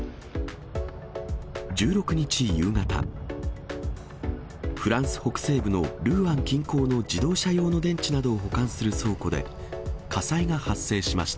１６日夕方、フランス北西部のルーアン近郊の自動車用電池などを保管する倉庫で、火災が発生しました。